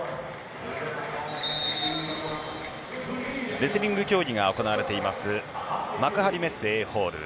レスリング競技が行われています幕張メッセＡホール。